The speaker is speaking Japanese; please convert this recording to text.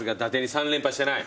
３連覇してない。